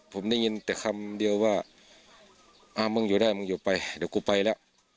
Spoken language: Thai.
ผมได้ยินแต่คำเดียวว่าอ่ามึงอยู่ได้มึงอยู่ไปเดี๋ยวกูไปแล้ว